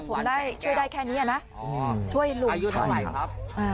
ผมได้ช่วยได้แค่นี้นะช่วยลุงเท่าไหร่ครับ